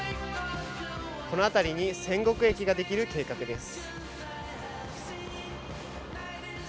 この辺りに千石駅ができる計画です。